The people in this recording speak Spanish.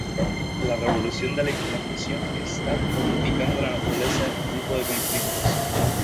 La revolución de la información está modificando la naturaleza de todo tipo de conflictos.